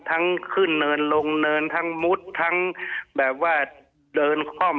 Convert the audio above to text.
ทั้งขึ้นเนินลงเนินทั้งมุดทั้งแบบว่าเดินคล่อม